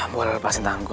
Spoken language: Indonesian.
boleh lepasin tanganku